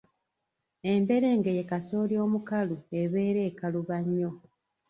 Emberenge ye kasooli omukalu ebeera ekaluba nnyo.